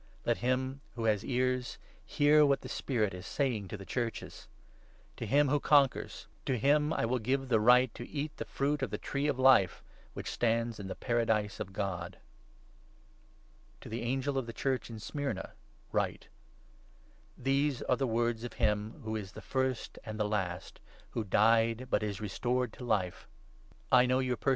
Let him who has 7 ears hear what the Spirit is saying to the Churches. To him who conquers — to him I will give the right ' to eat the fruit of the Tree of Life, which stands in the Paradise of God.' " To the Angel of the Church in Smyrna write :— 8 "These are the words of him who is the First and the Last, who died, but is restored to life :— I know your persecution 9 13 Dan. 7. 13 ; Ezek. i. a6 ; 8.